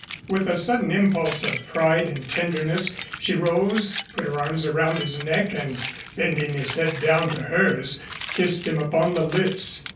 With a sudden impulse of pride and tenderness, she rose, put her arms around his neck and bending his head down to hers kissed him upon the lips.